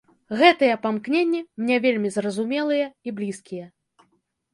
Гэтыя памкненні мне вельмі зразумелыя і блізкія.